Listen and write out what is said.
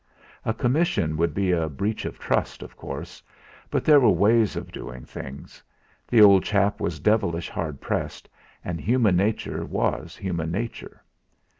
A commission would be a breach of trust, of course, but there were ways of doing things; the old chap was devilish hard pressed, and human nature was human nature!